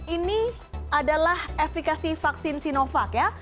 ini adalah efekasi vaksin sinovac ya